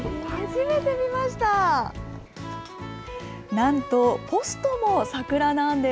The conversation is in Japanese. なんと、ポストも桜なんです。